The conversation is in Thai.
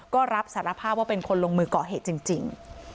ก็รับสารภาพว่าเป็นคนลงมือก่อเหตุจริง